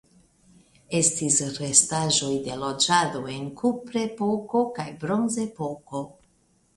Estis restaĵoj de loĝado en Kuprepoko kaj Bronzepoko.